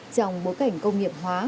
trong bối cảnh công nghiệp hóa